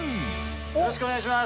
よろしくお願いします。